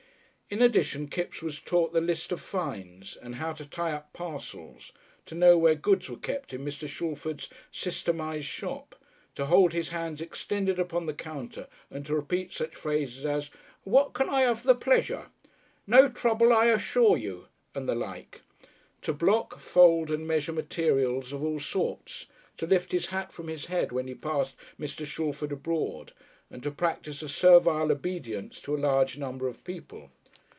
In addition Kipps was taught the list of fines; and how to tie up parcels; to know where goods were kept in Mr. Shalford's systematised shop; to hold his hands extended upon the counter and to repeat such phrases as "What can I have the pleasure...?" "No trouble, I 'ssure you," and the like; to block, fold, and measure materials of all sorts; to lift his hat from his head when he passed Mr. Shalford abroad, and to practise a servile obedience to a large number of people.